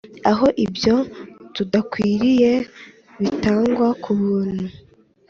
aho ibyo tudakwiriye bitangwa kubuntu